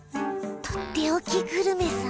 とっておきグルメさ。